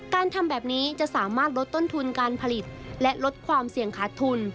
การทำแบบนี้จะสามารถลดต้นทุนการผลิตและลดความเสี่ยงขาดทุน